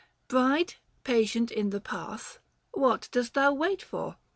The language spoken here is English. Bride, patient in the path, What dost thou wait for